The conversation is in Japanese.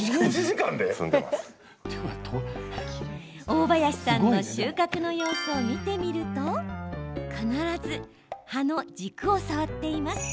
大林さんの収穫の様子を見てみると必ず、葉の軸を触っています。